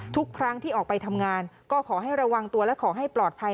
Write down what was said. ทุกครั้งที่ออกไปทำงานก็ขอให้ระวังตัวและขอให้ปลอดภัย